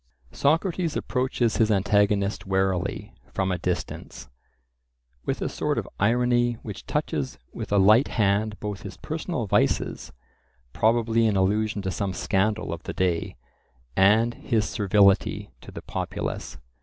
Socrates approaches his antagonist warily from a distance, with a sort of irony which touches with a light hand both his personal vices (probably in allusion to some scandal of the day) and his servility to the populace.